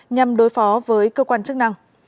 nhằm đối phó với cơ quan chức năng